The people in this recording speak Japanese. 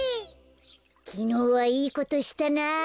きのうはいいことしたな。